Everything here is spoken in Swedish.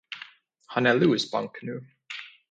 Han är luspank nu.